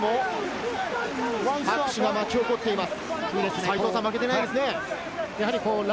札幌ドーム内も拍手が巻き起こっています。